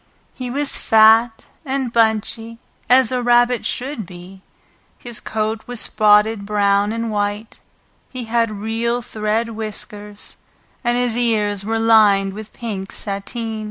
He was fat and bunchy, as a rabbit should be; his coat was spotted brown and white, he had real thread whiskers, and his ears were lined with pink sateen.